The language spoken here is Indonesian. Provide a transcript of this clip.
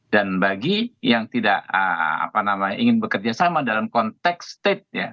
dan bagi yang tidak apa namanya ingin bekerja sama dalam konteks state ya